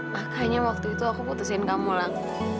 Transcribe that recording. makanya waktu itu aku putusin kamu lah